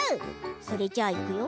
それじゃあ、いくよ！